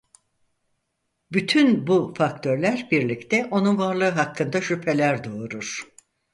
Bütün bu faktörler birlikte onun varlığı hakkında şüpheler doğurur.